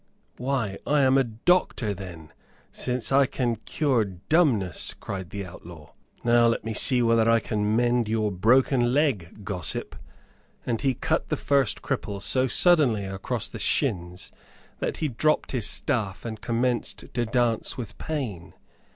"Why, I am a doctor, then, since I can cure dumbness," cried the outlaw. "Now let me see whether I can mend your broken leg, gossip," and he cut the first cripple so suddenly across the shins that he dropped his staff and commenced to dance with pain.